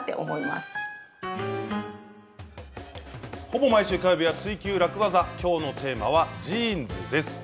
ほぼ毎週火曜日は「ツイＱ楽ワザ」きょうのテーマはジーンズです。